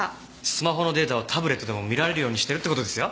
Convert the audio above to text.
スマホのデータをタブレットでも見られるようにしてるって事ですよ。